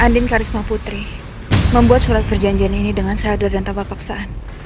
andin karisma putri membuat surat perjanjian ini dengan sadar dan tanpa paksaan